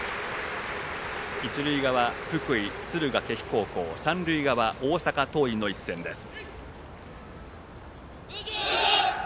一塁側、福井・敦賀気比三塁側、大阪桐蔭の一戦です。